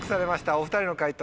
お２人の解答